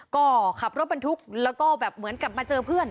ก็ขับรถบรรทุกแล้วก็แบบเหมือนกลับมาเจอเพื่อน